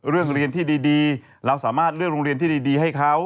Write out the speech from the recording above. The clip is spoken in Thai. เรียนที่ดีเราสามารถเลือกโรงเรียนที่ดีให้เขา